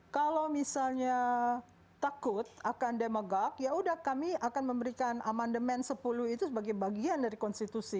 kalau misalnya takut akan demagog yaudah kami akan memberikan amendement sepuluh itu sebagai bagian dari konstitusi